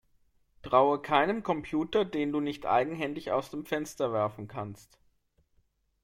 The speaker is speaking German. Traue keinem Computer, den du nicht eigenhändig aus dem Fenster werfen kannst!